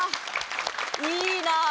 いいな！